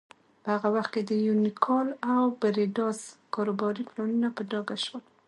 په هغه وخت کې د یونیکال او بریډاس کاروباري پلانونه په ډاګه شول.